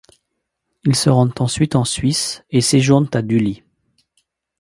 Ils se rendent ensuite en Suisse et séjournent à Dully.